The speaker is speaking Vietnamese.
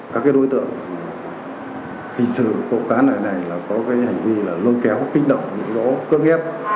các cái đối tượng hình sự cộng cán ở đây là có cái hành vi lôi kéo kích động những lỗ cơ nghiếp